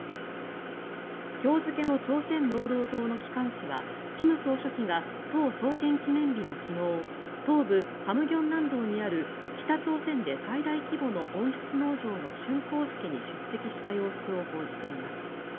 今日付の朝鮮労働党の機関紙は金総書記が党創建記念日の昨日東部・咸鏡南道にある北朝鮮で最大規模の温室農場のしゅん工式に出席した様子を報じています。